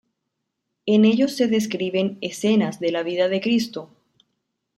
En ellos se describen "Escenas de la vida de Cristo".